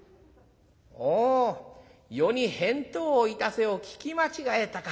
「おう『余に返答をいたせ』を聞き間違えたか。